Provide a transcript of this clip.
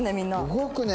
動くね。